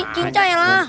cincah ya lah